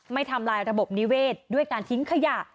ทำลายระบบนิเวศด้วยการทิ้งขยะ